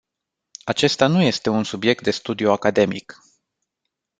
Acesta nu este un subiect de studiu academic.